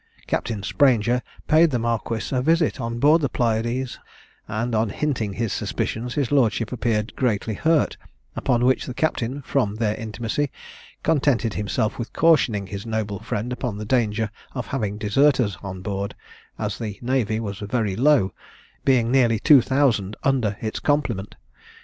Captain Sprainger paid the marquis a visit on board the Pylades; and, on hinting his suspicions, his lordship appeared greatly hurt; upon which the captain, from their intimacy, contented himself with cautioning his noble friend upon the danger of having deserters on board, as the navy was very low, being nearly two thousand under its complement.